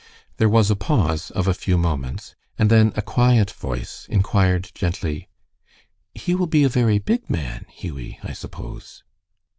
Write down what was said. There was a pause of a few moments, and then a quiet voice inquired gently, "He will be a very big man, Hughie, I suppose."